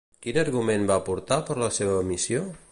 Quin argument van aportar per la seva emissió?